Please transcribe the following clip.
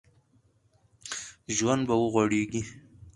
ژوند به وغوړېږي